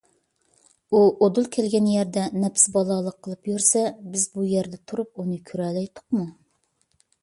ئۇ ئۇدۇل كەلگەن يەردە نەپسى بالالىق قىلىپ يۈرسە، بىز بۇ يەردە تۇرۇپ ئۇنى كۆرەلەيتتۇقمۇ؟